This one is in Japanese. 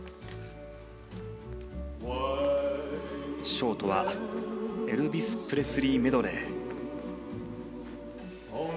ショートは「エルヴィス・プレスリーメドレー」。